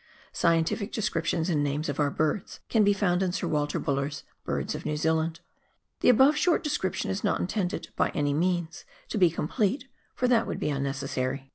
Scientific descriptions and names of our birds can be found in Sir Walter Buller's " Birds of New Zealand." The above short description is not intended, by any means, to be com plete, for that would be unnecessary.